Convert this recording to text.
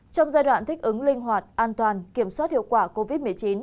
trong giai đoạn thích ứng linh hoạt an toàn kiểm soát hiệu quả covid một mươi chín